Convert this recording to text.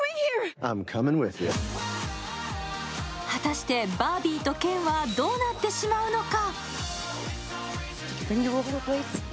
果たしてバービーとケンはどうなってしまうのか。